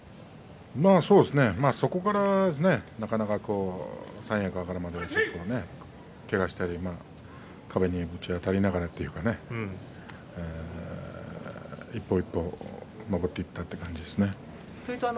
そうですねそこからですね、なかなか三役上がるまでけがをしたり壁にぶちあたりながらというかね一歩一歩上っていったという感じですね。